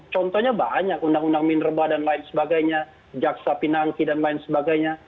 contohnya banyak undang undang minerba dan lain sebagainya jaksa pinangki dan lain sebagainya